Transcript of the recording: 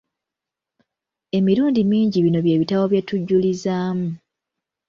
Emilundi mingi bino bye bitabo bye tujulizaamu.